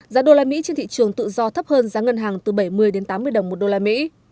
giá đô la mỹ trên thị trường tự do thấp hơn giá ngân hàng từ bảy mươi đến tám mươi đồng một đô la mỹ